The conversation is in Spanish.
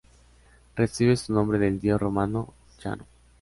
Recibe su nombre del dios romano Jano.